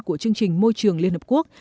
của chương trình môi trường liên hợp quốc